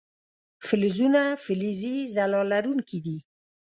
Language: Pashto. فلزونه فلزي ځلا لرونکي دي.